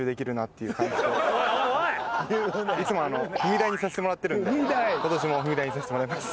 いつも踏み台にさせてもらってるので今年も踏み台にさせてもらいます。